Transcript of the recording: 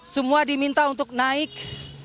semua diminta untuk naik